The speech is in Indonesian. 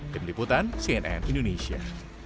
keniputan cnn indonesia